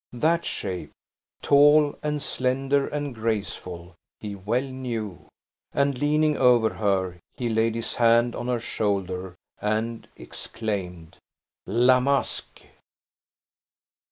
That shape tall and slender, and graceful he well knew; and, leaning over her, he laid his hand on her shoulder, and exclaimed: "La Masque!"